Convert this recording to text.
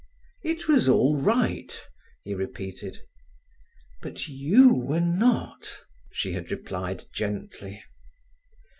"It was all right," he repeated. "But you were not," she had replied gently.